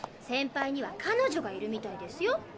センパイには彼女がいるみたいですよ。